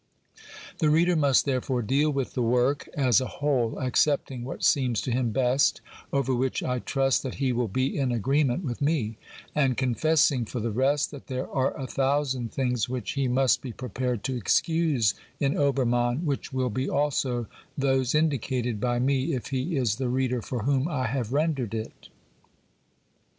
The reader must, therefore, deal with the work as a whole, accepting what seems to him best, over which I trust that he will be in agreement with me, and confess ing, for the rest, that there are a thousand things which he must be prepared to excuse in Obermayiti^ which will be also those indicated by me if he is the reader for whom I have rendered it.